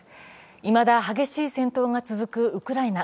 いまだ激しい戦闘が続くウクライナ。